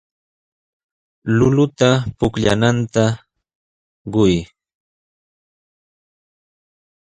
Llulluta pukllananta quy.